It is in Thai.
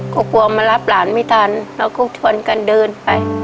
ก็กลัวมารับหลานไม่ทันแล้วก็ชวนกันเดินไป